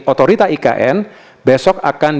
otorita ikn besok akan